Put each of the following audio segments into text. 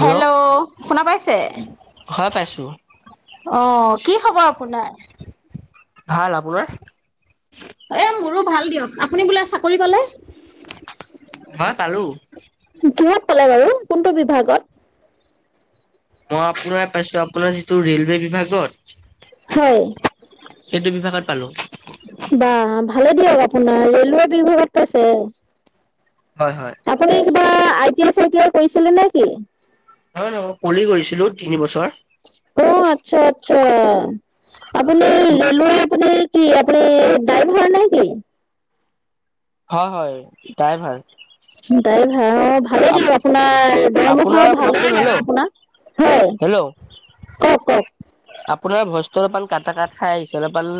Hello শুনা পাইছে? হয় পাইছো। অ' কি খবৰ আপোনাৰ? ভাল, আপোনাৰ? এ' মোৰো ভাল দিয়ক, আপুনি বোলে চাকৰি পালে? হয় পালো। কিহত পালে বাৰু কোনটো বিভাগত? মই আপোনাৰ পাইছো আপোনাৰ যিটো ৰেলৱে বিভাগত। হয়। সেইটো বিভাগত পালো। বাহ, ভালে দিয়ক আপোনাৰ ৰেলৱে বিভাগত পাইছে। হয় হয়। আপুনি কিবা আই টি আই চাই টি আই কৰিছিলে নে কি? নহয় নহয়, মই পঢ়ি কৰিছিলো তিনি বছৰ। অ' আচ্ছা- আচ্ছা আপুনি ৰেলৱে আপুনি। কি আপুনি ডাইভাৰ নে কি? হয় হয়, ডাইভাৰ। ডাইভাৰ অ' ভালেই। ভালে দিয়ক, আপোনাৰ আপোনাৰ দৰমহাও শুনকচোন ভালেই বাৰু হেল্ল' আপোনাৰ হয়। হেল্ল' কওক কওক আপোনাৰ ভয়েচটো অলপমান কাটা কাট খাই আহিছে অলপমান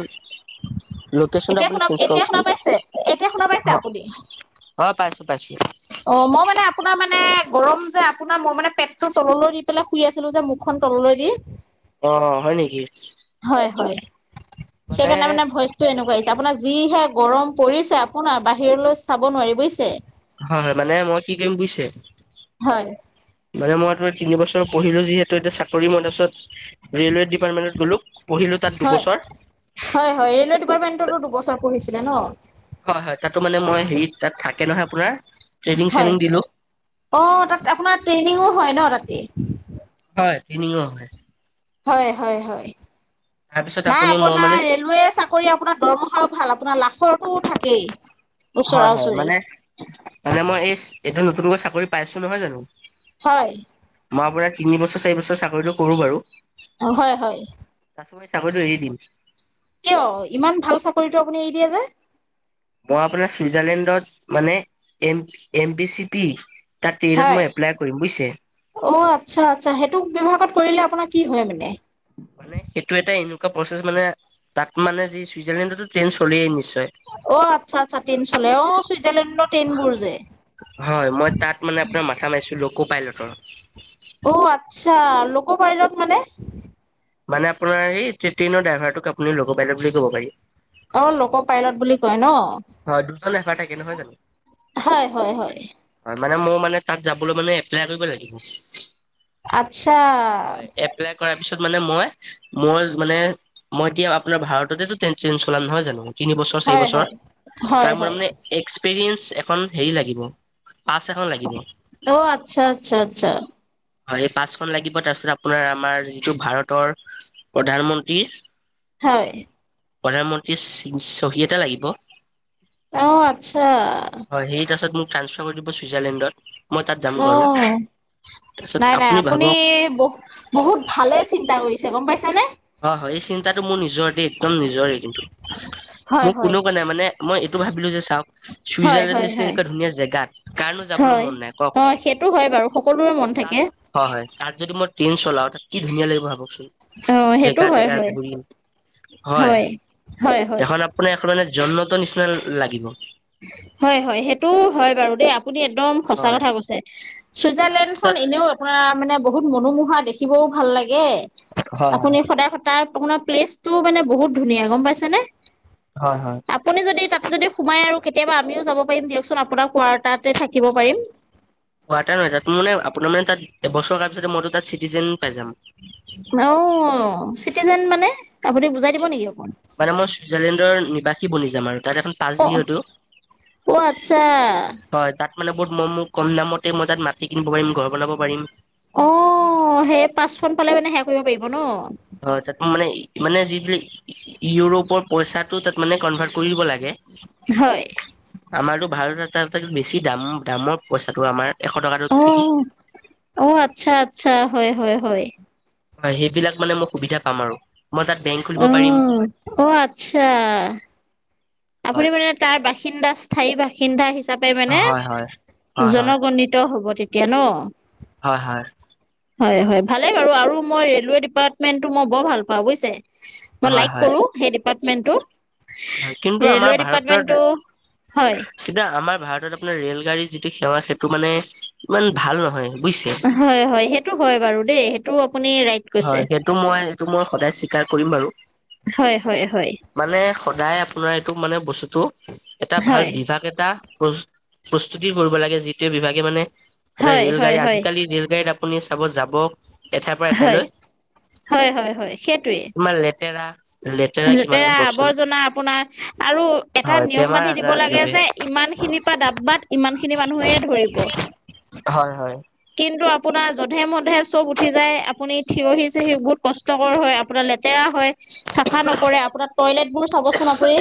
লোকেশন এতিয়া আপুনি শুনা চেঞ্জ এতিয়া শুনা পাইছে? এতিয়া শুনা পাইছে কৰকচোন আপুনি? অ অ পাইছো পাইছো অ মই মানে আপোনাৰ মানে গৰম যে আপোনাৰ মই মানে পেটটোৰ তললৈ দি পেলাই শুই আছিলো যে মুখ খন তললৈ দি অ হয় নেকি হয় হয় সেইকাৰণে মানে ভয়েচ এনেকুৱা আহিছে আপোনাৰ যিহে গৰম পৰিছে আপোনাৰ বাহিৰলৈ চাব নোৱাৰি বুজিছে হয় হয় মানে মই কি কৰিম বুজিছে হয় মানে মই তো তিনি বছৰ পঢ়িলো যিহেতু এতিয়া চাকৰি ম তাৰ পিছত ৰেলৱে ডিপাৰ্টমেণ্টত গ'লো পঢ়িলো তাত হয় দুবছৰ হয় হয় ৰেলৱে ডিপাৰ্টমেণ্টতো দুবছৰ পঢ়িছিলে ন হয় হয় তাতো মানে মই হেৰি তাত থাকে নহয় আপোনাৰ ট্ৰেইনিং হয় চেইনিং দিলো অ তাত আপোনাৰ ট্ৰেইনিংঙো হয় ন তাতে হয় ট্ৰেইনিংও হয় হয় হয় হয় তাৰপিছত নাই আপুনি মই আপোনাৰ মানে ৰেলোৱে চাকৰি কৰি আপোনাৰ দৰমহাও ভাল আপোনাৰ লাখৰটোও থাকেই ওচৰা হয় হয় ওচৰি মানে মানে মই এই এতি নতুনকৈ চাকৰি পাই আছো নহয় জানো হয় মই আপাৰ তিন বছৰ চাৰি বছৰ চাকৰিতটো কৰো বাৰু হয় হয় [unintelligible] মই চাকৰিটো এৰি দিম কিয় ইমান ভাল চাকৰিতটো আপুনি এৰি দিয়ে যে মই আপোনাৰ চুইজাৰলেণ্ডত মানে A M P C P তাত ট্ৰেইনত হয় মই এপ্লাই কৰিম বুজিছে অ আচ্ছা আচ্ছা সেইটো ব্যৱহাৰত কৰিলে আপোনাৰ কি হয় মানে মানে সেইটো এটা এনেকুৱা প্ৰচেছ মানে তাত মানে যি চুইজাৰলেণ্ডতো ট্ৰেইন চলিয়েই নিশ্চয় অ আচ্ছা আচ্ছা ট্ৰেইন চলে অ ছুইজাৰলেণ্ডৰ ট্ৰেইন বোৰ যে হয় মই তাত মানে আপোনাৰ মাথা মাৰিছো লকো পাই ল ত ৰ অ আচ্ছা লোক পাইলট মানে মানে আপোনাৰ এই ট্ৰেইনৰ ড্ৰাইভাৰটোক আপুনি লোক পাইলট বুলি কব পাৰি অ লোক পাইলট বুলি কয় ন হয় দুজননে [unintelligible] থাকে নহয় জানো হয় হয় হয় হয় মানে মোৰ মানে তাত যাবলৈ মানে এপ্লাই কৰিব লাগিব আচ্ছা হয় এপ্লাই কৰাৰ পিছত মানে মই মই মানে মই এতিয়া আপোনাৰ ভাৰততেতো ট্ৰেইন চেন চলাম নহয় জানো তিনি বছৰ চাৰি হয় বছৰ হয় হয় তাৰ মানে হয় মানে এক্সপেৰিয়েঞ্চ এখন হেৰি লাগিব পাছ এখন লাগিব অ আচ্ছা আচ্ছা আচ্ছা হয় এই পাঁচখন লাগিব তাৰপিছত আপোনাৰ আমাৰ যিটো ভাৰতৰ প্ৰধান মন্ত্ৰী হয় প্ৰধানমন্ত্ৰী শ্বহী এটা লাগিব অ আচ্ছা, হয় সেই তাৰাছত মোক ট্ৰা্ফাৰ কৰি দিব ছুইজাৰলেণ্ডত মই তাত যাম অ বাৰু তাৰপিছত নাই নাই আপুনি ভাবক বহ বহুত ভালে চিন্তা কৰিছে গম পাইছা নে। হয় হয় এই চিন্তাটো মোৰ নিজৰে দে একদম নিজৰে কিন্তু, হয় মোৰ হয় কোনো কোৱা নাই মানে মই এইটো ভাবিলো যে চাওক হয় চুইজাৰলেণ্ড হয় নিচিনা হয় এনেকুৱা ধুনীয়া জেগাত। কাৰনো যাবলৈ হয় মন নাই কওক অ সেইটো হয় বাৰু সকলোবোৰে মন তাত থাকে। হয় হয় তাত যদি মই ট্ৰেইন চলাওঁ তাত কি ধুনীয়া লাগিব ভাবকচোন। অ সেইটো জেগা হয় টেগা হয় ঘূৰি হয় হয় হয় হেখন আ আপোনাৰ মানে জন্মতৰ নিচিনা লাগিব। হয় হয় সেইটো হয় বাৰু দেই আপুনি একদম, সঁচা হয় কথা কৈছে চুইজাৰলেণ্ড খন তাৰপিছত এনেও, পৰা মানে বহুত মনোমোহা দেখিবও ভাল লাগে। হয় হয় আপুনি সদায় সদাৰ আপোনাৰ প্লেচটো মানে বহুত ধুনীয়া গম পাইছেনে। হয় হয়। আপুনি যদি তাত যদি সোমাই আৰু কেতিয়াবা আমিও যাব পাৰিম দিয়কচোন আপোনাক কোৱাৰ তাতে থাকিব পাৰিম। ৱ মানে আপোনাৰ মানে তাত এবছৰ পিছত মইতো তাত চিটিজেন পাই যাম। অ চিটিজেন মানে আপুনি বুজাই দিব নেকি অকমান। তাতে মই ছুইজাৰলেণ্ডৰ নিবাসী বনি যাম আৰু তাত এখন। পাছ অ দিহতো, অ আচ্ছা হয় তাত মানে বহুত মই মোৰ কম দামতে মই তাত মাটি কিনিব পাৰিম ঘৰ বনাব পাৰিম। অ সেই পাঁচখন পালে মানে সেৱা কৰিব পাৰিব ন। হয় তাত মানে মানে যিবিলাক ইউৰোপৰ পইচাটো তাত মানে কনভাৰ্ট কৰিব লাগে। হয়। আমাৰতো ভাৰত এ বেছি দাম দামৰ পইচাটো আমাৰ এশ টকাটোত থাকি। অ অ আচ্ছা আচ্ছা হয় হয় হয়। হয় সেইবিলাক মানে মই সুবিধা পাম আৰু মই তাত বেংক খুলিব অ পাৰিম। অ আচ্ছা আপুনি হয় মানে তাৰ বাসিন্দাস স্থায়ী বাসিন্দা হিচাপে মানে হয় হয়। হয় হয় জনগনিত হব তেতিয়া ন, হয় হয়। হয় হয় ভালে বাৰু আৰু মই ৰেলোৱৈই ডিপাৰ্টমেণ্টটো মই বৰ ভাল পাওঁ বুজিছে। মই হয় লাইক হয় কৰো সেই ডিপাৰ্টমেন্টো। হয় কিন্তু ৰেলোৱৈই ডিপাৰ্টমেণ্টটো হয়। তেতিয়া আমাৰ ভাৰতত আপোনাৰ ৰেল গাড়ীৰ যিটো সেৱা সেইটো মানে ইমান ভাল নহয় বুজিছে। হয় হয় সেইটো হয় বাৰু দেই সেইটো আপুনি ৰাই হয় সেইটো মই এইেইটো মই সদায় স্বীকাৰ কৰিম বাৰু হয় হয় হয়। মানে সদায় আপোনাৰ এইটো মানে বস্তুটো এটা ভাল হয় বিভাগ এটা। প্ৰস্তুতি কৰিব লাগে যিটোৱে বিভাগে মানে হয় ৰেল হয় গাড়ী হয় আজিকালি ৰেল গাড়ীত আপুনি চাব যাব এঠাইৰ পৰা হয় হয় এঠাইলৈ। হয় হয় হয় সেইটোৱে। আমাৰ লেতেৰা। কিমান লেতেৰা ভাবকচোন আৱৰ্জনা আপোনাৰ আৰু এটা হয় নিয়ম বেমাৰ বান্ধি আজাৰ দিব লাগে বিয়পে যে। ইমান খিনিৰ পৰা ডাবাত ইমান খিনি মানুহে ধৰিব। হয় হয়। কিন্তু আপোনাৰ যধে-মধে চব উঠি যায়। আপুনি থিয়হি-চিয়হি বহুত কষ্ট ষ্টকৰ হয়। আপোনাৰ লেতেৰা হয়, চাফা নকৰে। আপোনাৰ টয়লেট বোৰ চাবচোন আপুনি।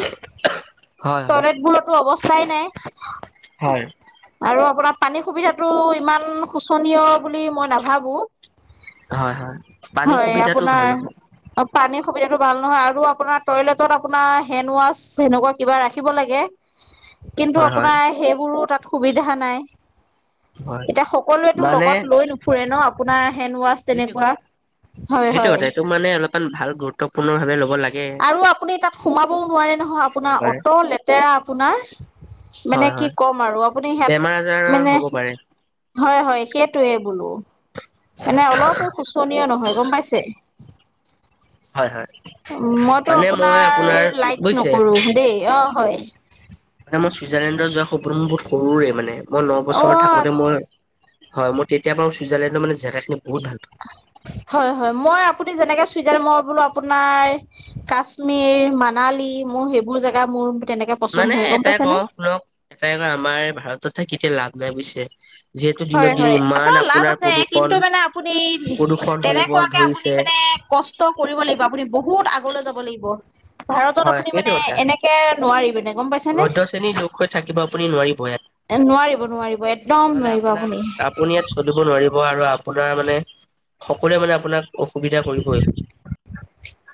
হয় হয়। টয়লেটবোৰৰ টো অৱস্থাই নাই। হয় আৰু আপোনাৰ পানীৰ সুবিধাটো ইমান শোচনীয় বুলি মই নাভাবো। হয় হয় পানীৰ হয় সুবিধাটো আপোনাৰ ভাল নহয়। অ পানীৰ সুবিধাটো ভাল নহয়। আৰু আপোনাৰ টয়লেটত আপোনাৰ হেণ্ড ৱাছ সেনেকুৱা কিবা ৰাখিব লাগে। কিন্তু হয় হয় আপোনাৰ সেইবোৰো তাত সুবিধা নাই। হয় এতিয়া সকলোৱেতো মানে লগত লৈ নুফুৰে ন আপোনাৰ হেড ৱাছ তেনেকুৱা হয় হয়। মনে অলপমান ভাল গুৰুত্ত্বপূৰ্ণ ভাবে লো আৰু আপুনি তাত সোমাবও নোৱাৰে নহয় আপোনাৰ চৰকাৰে। অট লেতেৰা আপোনাৰ। মানে হয় কি হয় ক'ম আৰু আপুনি হেট বেমাৰ আজাৰ মানে হ'ব পাৰে হয় হয় সেইটোৱে বোলো, মানে অলপো শোচনীয় নহয় গম পাইছে। হয় হয়। মইতো মানে মই আপোনাৰ লাইক বুজিছে নকৰো দেই অ হয়। মানে মই ছুইজাৰলেণ্ডত যোৱা সপোন মোৰ বহুত সৰুৰে মানে, মই ন বছৰ অ থাকোতে মই হয় মই তেতিয়া বাৰু ছুইজাৰলেণ্ডৰ মানে জেগাখিনি বহুত ভাল পাওঁ। হয় হয় মই আপুনি যেনেকে চুইজাৰ মই বোলো আপোনাৰ কাশ্মীৰ, মানালী মোৰ সেইবোৰ জেগা মোৰ তেনেকে পচন্দ মানে হয় গম এটাই ক পাইছেনে? শুনক এটাই কয় আমাৰ ভাৰতত থাকি কেতিয়া লাভ নাই বুজিছে। যিহেতু হয় দিনক দিন হয় এটা ইমান আপোনাৰ লাভ আছে। প্ৰদূষণ কিন্তু মানে আপুনি প্ৰদূষণ হৈ তেনেকুৱাকে আপুনি ধৰিছে মানে ক কৰিব লাগিব। আপুনি বহুত আগলৈ যাব লাগিব। ভাৰতত হয় আপুনি সেইটো মানে কথা এনেকে নোৱাৰি মানে গম পাইছে নে? মধ্য শ্ৰেণীৰ লোক হৈ থাকিব আপুনি নোৱাৰিব ইয়াত এ নোৱাৰিব নোৱাৰিব একদম নহ'লে নোৱাৰিব। আপোনাক আপুনি ইয়াত চলিব নোৱাৰিব আৰু আপোনাৰ মানে সকলোৱে মানে আপোনাক অসুবিধা কৰিবই।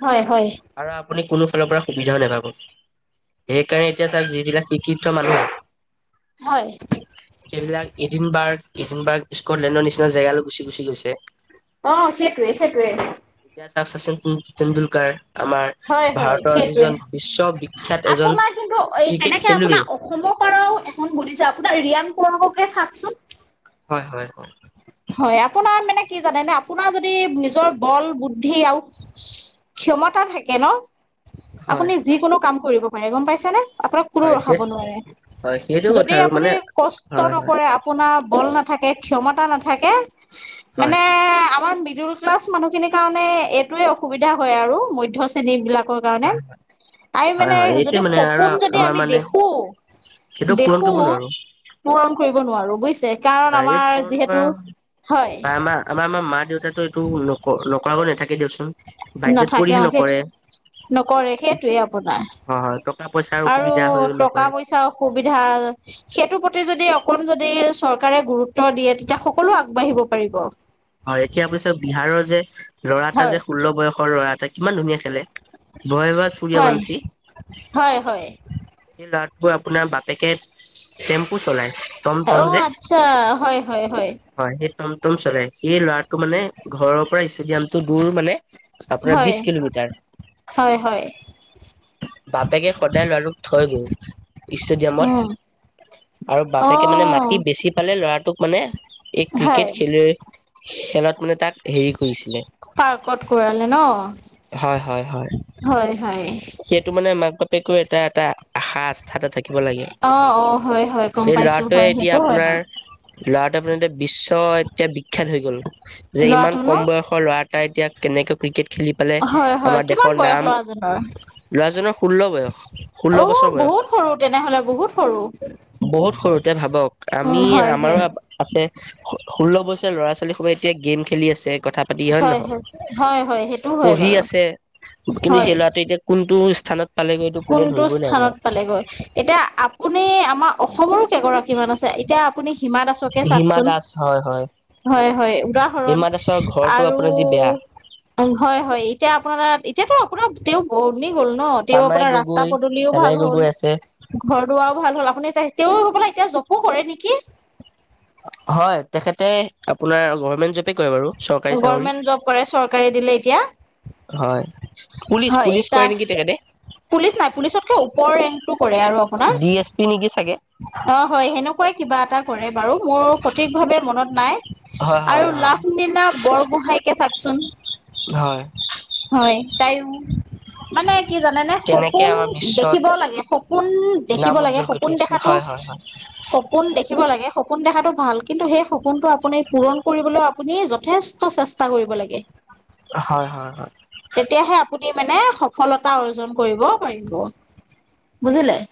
হয় হয়। আৰু আপুনি কোনো ফালৰ পৰা সুবিধাও নাপাব। সেইকাৰণে এতিয়া চাওক যিলাক শিক্ষিত মানুহ হয়। সেইবিলাক ইদিনবাৰ্গ ইদিনবাৰ্গ স্কটলেণ্ডৰ নিচিনা জেগালৈ গুচি গুচি গৈছে। অ সেইটোৱে সেইটোৱে। এতিয়া চাওক শচীন তেণ্ডুলকাৰ আমাৰ হয় হয় ভাৰতৰ সেইটোৱে। যিজন বিশ্ববিখ্যাত এজন আপোনাৰ কিন্তু এই ক্ৰিকেট কেনেকে খেলুৱৈ আপোনাৰ অসমৰ পাৰো এজন বুলিছে আপোনাৰ ৰিয়ান পৰাককে চাওচোন। হয় হয় হয়। হয় আপোনাৰ মানে কি জানে আপোনাৰ যদি নিজৰ বল বুদ্ধি আৰু ক্ষমতা থাকে ন, হয় আপুনি যিকোনো কাম কৰিব পাৰে গম পাইছে নে? আপোনাক কোনো হয় ৰখাব সেই নোৱাৰে। হয় সেইটো কথা যদি আৰু আপুনি মানে কষ্ট হয় হয় নকৰে আপোনাৰ বল নাথাকে, ক্ষমতা নাথাকে হয় মানে আমাৰ মিদুল ক্লাছ মানুহখিনিৰ কাৰণে এইটোৱে অসুবিধা হয় আৰু মধ্য শ্ৰেণী বিলাকৰ কাৰণে। হয় আমি হয় মানে হয় এইটোৱে যদি মানে আৰু সপোন যদি আমাৰ আমি মানে দেখো, সেইটো পূৰণ দেখো কৰিব নোৱাৰো। পূৰণ কৰিব নোৱাৰো বুজিছে। কাৰণ এই আমাৰ পূৰণ যিহেতু বা হয় আমাৰ-আমাৰ-আমাৰ মা-দেউতো এইটো নক-নকৰাকৈ নাথাকে দিয়কচোন। বাধ্যত নাথাকে পৰিহে আউ সে নকৰে নকৰে সেইটোৱে আপোনাৰ। হয় হয় টকা পইচাৰ আৰু অসুবিধা হৈও নকৰে। টকা-পইচাও সুবিধা সেইটোৰ প্ৰতি যদি অকণ যদি চৰকাৰে গুৰুত্ব দিয়ে তেতিয়া সকলো আগবাঢ়িব পাৰিব। হয়, এতিয়া অৱশ্যে বিহাৰৰ যে ল'ৰা এটা হয় যে ষোল্ল বয়সৰ ল'ৰা এটা কিমান ধুনীয়া খেলে। ভয় ভত হয় সূৰ্যবংশী। হয় হয়। সেই ল'ৰাটোৰ বাপেকে টেম্পু চলায়। অ আচ্ছা হয় হয় হয়। হয় সেই টম টম চলায় সেই ল'ৰাটো মানে ঘৰৰ পৰা ষ্টেডিয়াম টো দূৰ মানে আপোনাৰ হয় বিশছ কিলোমিটাৰ। হয় হয় বাপেকে সদায় ল'ৰাটোক থৈ উম ষ্টেডিয়ামত। আৰু অ বাপেকে মানে মাটি বেছি পালে ল'ৰাটোক মানে এই ক্ৰিকেট হয় খেলুৱৈ খেলত মানে তাক হেৰি কৰিছিলে পাৰ্কত কৰালে ন। হয় হয় হয়, হয় হয় সেইটো মানে মাক বাপেকো এটা এটা আশা আস্থাতে থাকিব লাগে। অ অ হয় হয় গম এই পাইছো ল'ৰাটোৱে হয় এতিয়া সেইটো হয় আপোনাৰ বাৰু ল'ৰাটো আপোনাৰ এতিয়া বিশ্ব এতিয়া বিখ্যাত হৈ গ'ল যে ইমান ল'ৰাটো ন কম বয়সৰ ল'ৰা তাই এতিয়া কেনেকৈ ক্ৰিকেট খেলি পালে হয় হয় আমাৰ কিমান দেশৰ বয়স নাম ল'ৰাজনৰ ল'ৰাজনৰ ষোল্ল বয়স। ষোল্ল অ বছৰ বয়স বহুত সৰু তেনেহলে বহুত সৰু। বহুত সৰুতে ভাবক আমি উম হয় আমাৰো হয় আছে ষোল্ল বছৰ ল'ৰা ছোৱালী সবে এতিয়া গেম খেলি আছে কথা পাতি হয়ে হয় নহয় ক, হয় হয় হয় সেইটো হয় পঢ়ি বাৰু আছে, কিন্তু হয় সেই ল'ৰাটো এতিয়া কোনটো স্থানত পালেগৈ এইটো কোনে কোনটো ধৰিবই নাই পৰা। স্থানত পালেগৈ। এতিয়া আপুনি আমাৰ অসমৰো কেইগৰাকী মান আছে এতিয়া আপুনি হিমা দাসত হিমা চাউকচোন, দাস হয় হয় হয় হয় উদাহৰণ হিমা দাসৰ ঘৰটো আৰু আপোনাৰ যি বেয়া উ হয় হয় এতিয়া আপোনাৰ এতিয়াতো অকো তেওঁ বৰ্নি গ'ল ন তেওঁ চামাই আপোনাৰ ৰাস্তা গগৈ পদূলিও চামাই ভাল হ'ল। গগৈ আছে ঘৰ দুৱাৰও ভাল হ'ল আপুনি এও বোলে এতিয়া জপো কৰে নেকি! হয় তেখেতে আপোনাৰ গভমেন্ট জবে কৰে বাৰু। চৰকাৰী চাকৰি গভমেণ্ট জব কৰে চৰকাৰে দিলে এতিয়া। হয় পুলিচ হয় পুলিচ তাৰ কৰে নেকি তেখেতে। পুলিচ নাই পুলিচতকে ওপৰ ৰেংকটো কৰে আৰু আপোনাৰ ডি এছ পি নেকি চাগে। অৱ হয় সেনেকুৱাই কিবা এটা। কৰে বাৰু মোৰ সঠিক ভাৱে মনত নাই হয় হয় আৰু হয় লাভলীলা বৰগোহাঁয়েক চাওচোন, হয় হয় তাইও মানে কি জানে নে তেনেকে সপোন আমাৰ বিশ্বত দেখিব লাগে সপোন দেখিব নাম লাগে উজ্জ্বল কৰি সপোন থৈছে দেখাতো হয় হয় হয় সপোন দেখিব লাগে সপোন দেখাতটো ভাল কিন্তু সেই সপোনটো আপুনি পূৰণ কৰিবলৈও আপুনি য যথেষ্ট চেষ্টা কৰিব লাগে। হয় হয় হয়। তেতিয়াহে আপুনি মানে সফলতা অৰ্জন কৰিব পাৰিব বুজিলে।